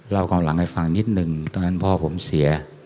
ความหลังให้ฟังนิดนึงตอนนั้นพ่อผมเสีย